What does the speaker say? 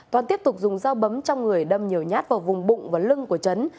toàn tiếp tục dùng dao bấm trong người đâm nhiều nhát vào vùng bụng và lưng của trấn